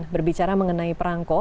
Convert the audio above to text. berbicara mengenai perangko